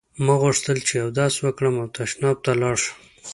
ما غوښتل چې اودس وکړم او تشناب ته لاړ شم.